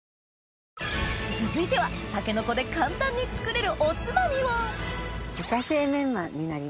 続いてはタケノコで簡単に作れるおつまみをメンマ。